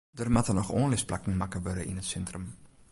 Der moatte noch oanlisplakken makke wurde yn it sintrum.